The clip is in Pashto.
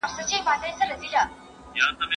موږ به د خپلو ونو ساتنه په سمه توګه وکړو.